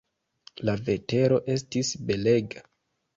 La vetero estis belega.